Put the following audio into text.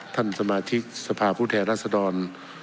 ท่านสมาชิกสภาพผู้แทนรัศดร